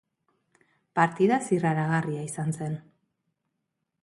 Partida zirraragarria izan zen.